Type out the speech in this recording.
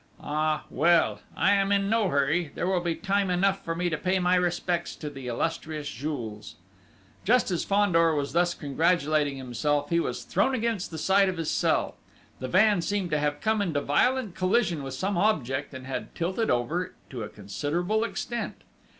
Ah, well! I am in no hurry! There will be time enough for me to pay my respects to the illustrious Jules!" Just as Fandor was thus congratulating himself, he was thrown against the side of his cell! The van seemed to have come into violent collision with some object and had tilted over to a considerable extent.